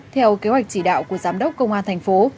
theo kế hoạch chỉ đạo của giám đốc công an thành phố